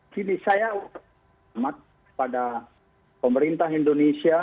jadi saya ucapkan selamat kepada pemerintah indonesia